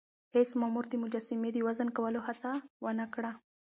هیڅ مامور د مجسمې د وزن کولو هڅه ونه کړه.